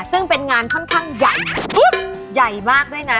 ซึ่งเป็นงานค่อนข้างใหญ่ใหญ่มากด้วยนะ